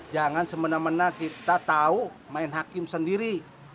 jangan semena mena kita tahu main hakim sendiri